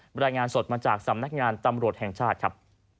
รายงานสดมาจากสำนักงานตำรวจแห่งชาติครับ